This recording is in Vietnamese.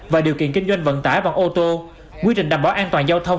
và điều kiện kinh doanh vận tải bằng ô tô quy trình đảm bảo an toàn giao thông